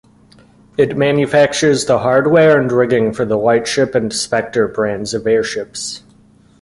It manufactures the hardware and rigging for the Lightship and Spector brands of airships.